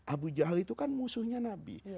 abu jahlil itu kan musuhnya nabi